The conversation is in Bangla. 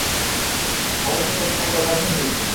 আমার কদিন আগে অপারেশন হইছে।